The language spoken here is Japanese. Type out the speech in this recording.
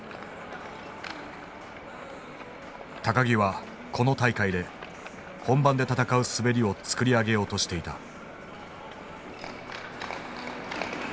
木はこの大会で本番で戦う滑りを作り上げようとしていた。